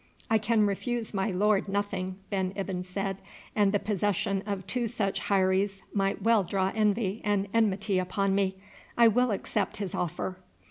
"I can refuse my lord nothing," Ben Ibyn said, "and the possession of two such heiries might well draw envy and enmity upon me. I will accept his offer."